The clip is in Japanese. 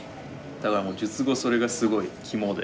だからもう術後それがすごい肝で。